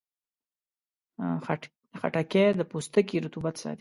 خټکی د پوستکي رطوبت ساتي.